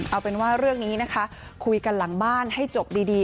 เอาเป็นว่าเรื่องนี้นะคะคุยกันหลังบ้านให้จบดี